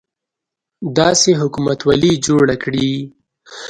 داسې حکومتولي جوړه کړي.